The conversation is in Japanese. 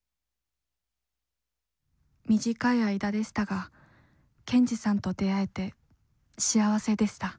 「みじかい間でしたが賢治さんと出会えてしあわせでした。